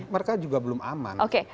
mereka juga belum aman